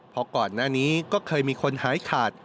เพราะก่อนหน้านี้ก็เคยมีคนหายขาด